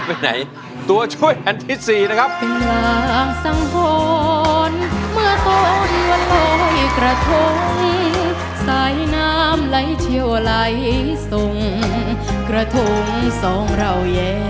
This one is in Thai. ข้ามไปไหนจะข้ามไปไหนตัวช่วยแห่นที่๔นะครับ